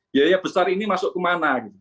biaya besar ini masuk kemana gitu